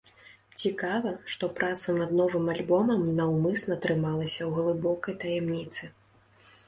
Цікава, што праца над новым альбомам наўмысна трымалася у глыбокай таямніцы.